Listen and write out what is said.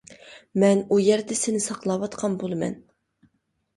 مەن ئۇ يەردە سېنى ساقلاۋاتقان بولىمەن.